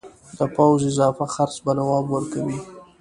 د پوځ اضافه خرڅ به نواب ورکوي.